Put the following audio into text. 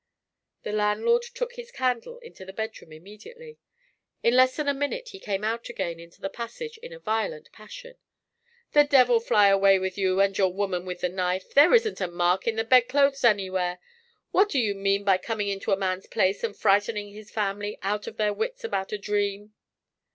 The landlord took his candle into the bedroom immediately. In less than a minute he came out again into the passage in a violent passion. "The devil fly away with you and your woman with the knife! There isn't a mark in the bedclothes anywhere. What do you mean by coming into a man's place and frightening his family out of their wits about a dream?"